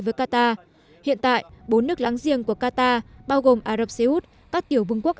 với qatar hiện tại bốn nước láng giềng của qatar bao gồm ả rập xê út các tiểu vương quốc